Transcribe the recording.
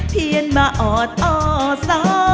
เพียนมาออดอ่อซ้อ